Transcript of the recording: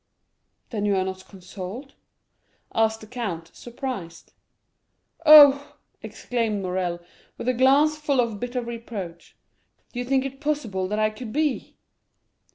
'" "Then you are not consoled?" asked the count, surprised. "Oh," exclaimed Morrel, with a glance full of bitter reproach, "do you think it possible that I could be?"